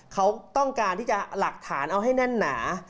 เขาต้องการที่จะหลักฐานเอาให้แน่นหนา